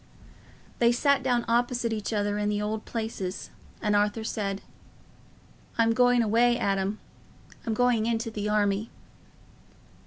They sat down opposite each other in the old places, and Arthur said, "I'm going away, Adam; I'm going into the army."